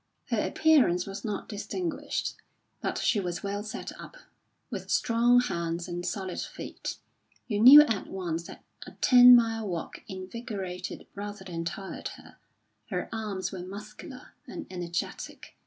Her appearance was not distinguished, but she was well set up, with strong hands and solid feet; you knew at once that a ten mile walk invigorated rather than tired her; her arms were muscular and energetic.